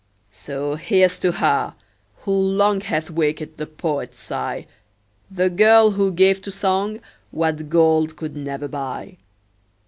So here's to her, who long Hath waked the poet's sigh, The girl, who gave to song What gold could never buy.